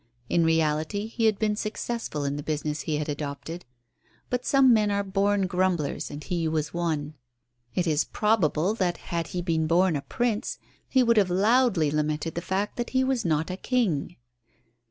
In reality he had been successful in the business he had adopted. But some men are born grumblers, and he was one. It is probable that had he been born a prince he would have loudly lamented the fact that he was not a king.